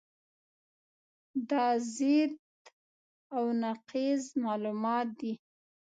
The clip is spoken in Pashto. دا ضد او نقیض معلومات دي.